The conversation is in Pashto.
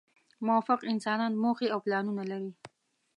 موفق انسانان موخې او پلانونه لري.